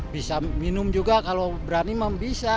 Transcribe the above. bisa minum juga kalau berani memang bisa